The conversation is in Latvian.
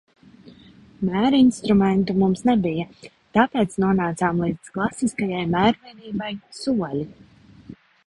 Mērinstrumentu mums nebija, tāpēc nonācām līdz klasiskajai mērvienībai ‘soļi’.